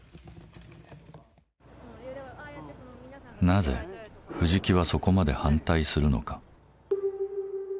なぜ藤木はそこまで反対するのか。